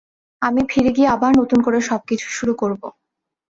আমি ফিরে গিয়ে আবার নতুন করে সবকিছু শুরু করবো।